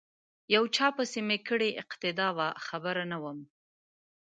یو چا پسې می کړې اقتدا وه خبر نه وم